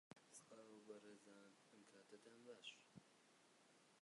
ئەو جووچکە لە هێلانەوە کەوتووە